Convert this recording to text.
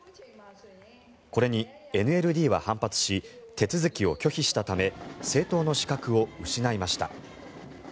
これにＮＬＤは反発し手続きを拒否したため政党の資格を失いました。